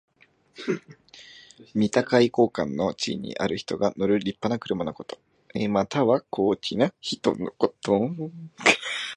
身高位高官の地位にある人が乗るりっぱな車のこと。または、高貴な人のこと。